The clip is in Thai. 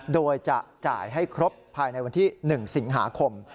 โดยจะจ่ายให้ครบภายในวันที่๑สิงหาคม